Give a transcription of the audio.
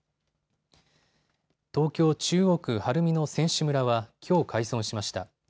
東京中央区晴海の選手村はきょう開村しました。